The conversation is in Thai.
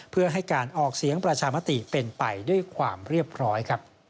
เพื่อให้การออกเสียงประชามติเป็นไปด้วยความเรียบร้อย